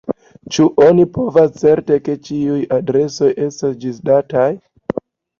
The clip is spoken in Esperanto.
Ĉu oni povas certi, ke ĉiuj adresoj estas ĝisdataj?